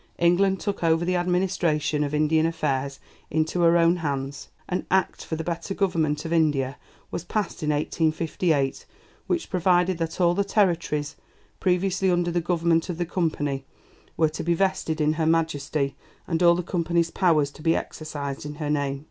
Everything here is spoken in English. England took over the administration of Indian affairs into her own hands. An "Act for the better Government of India" was passed in 1858, which provided that all the territories previously under the government of the Company were to be vested in Her Majesty, and all the Company's powers to be exercised in her name.